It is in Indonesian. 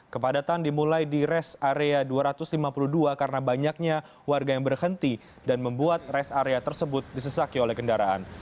kepadatan dimulai di rest area dua ratus lima puluh dua karena banyaknya warga yang berhenti dan membuat rest area tersebut disesaki oleh kendaraan